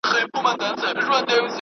پرېږده چي تڼاکي مي اوبه کم په اغزیو کي .